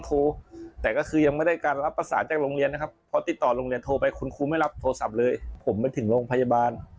ก็คือช็อกสู้อะไรไม่ออกครับ